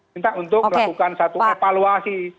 minta untuk melakukan satu evaluasi